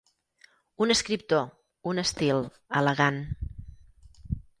Un escriptor, un estil, elegant.